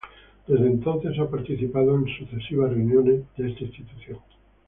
Desde entonces, ha participado en las sucesivas reuniones de esta institución.